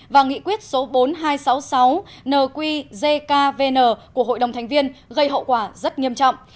và nghị quyết số bốn nghìn hai trăm sáu mươi sáu nqvn của hội đồng thành viên gây hậu quả rất nghiêm trọng